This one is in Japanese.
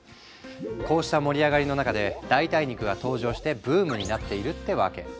こうした盛り上がりの中で代替肉が登場してブームになっているってわけ。